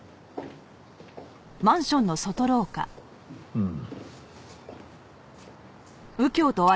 うん。